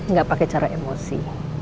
gak pakai cara emosi